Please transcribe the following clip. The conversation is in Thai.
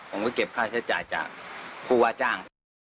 ผมก็เก็บค่าใช้จ่ายจากผู้ว่าจ้าง